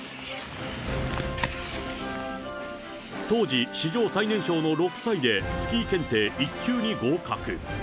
当時、史上最年少の６歳で、スキー検定１級に合格。